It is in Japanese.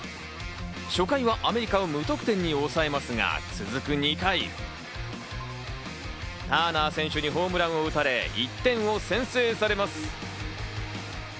初回はアメリカを無得点に抑えますが、続く２回、ターナー選手にホームランを打たれ１点を先制されます。